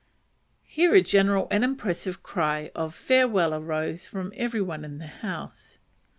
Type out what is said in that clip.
Here a general and impressive cry of "farewell" arose from every one in the house.